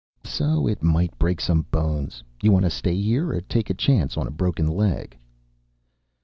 "So it might break some bones. You want to stay here or take a chance on a broken leg?"